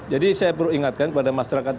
jadi saya perlu ingatkan kepada masyarakat